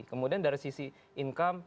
kemudian dari sisi income